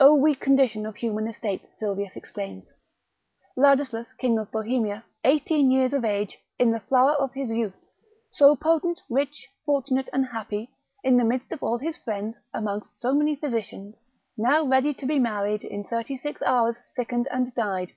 O weak condition of human estate, Sylvius exclaims: Ladislaus, king of Bohemia, eighteen years of age, in the flower of his youth, so potent, rich, fortunate and happy, in the midst of all his friends, amongst so many physicians, now ready to be married, in thirty six hours sickened and died.